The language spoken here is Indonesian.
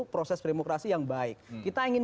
proses demokrasi yang baik kita ingin